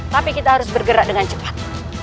tapi kita harus bergerak dengan cepat